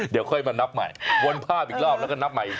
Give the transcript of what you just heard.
เดี๋ยวค่อยมานับใหม่วนภาพอีกรอบแล้วก็นับใหม่